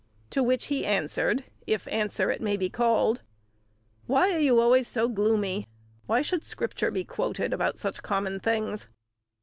To which he answered, if answer it may be called, "Why are you always so gloomy? Why should Scripture be quoted about such common things?"